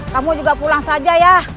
kamu juga pulang saja ya